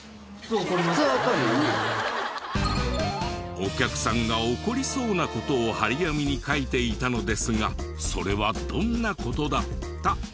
お客さんが怒りそうな事を貼り紙に書いていたのですがそれはどんな事だった？